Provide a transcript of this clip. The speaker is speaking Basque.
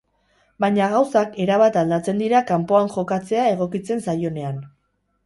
Baina gauzak erabat aldatzen dira kanpoan jokatzea egokitzen zaionean.